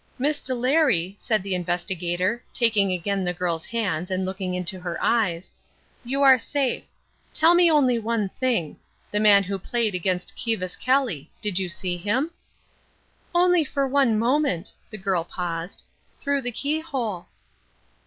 "Miss Delary," said the Investigator, taking again the girl's hands and looking into her eyes, "you are safe. Tell me only one thing. The man who played against Kivas Kelly did you see him?" "Only for one moment" the girl paused "through the keyhole."